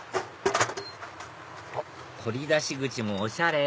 取り出し口もおしゃれ！